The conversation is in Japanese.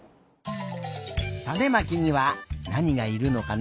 たねまきにはなにがいるのかな？